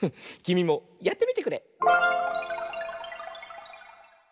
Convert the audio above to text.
きみもやってみてくれ！